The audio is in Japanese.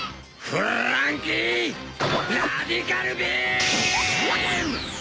フランキーラディカルビーム！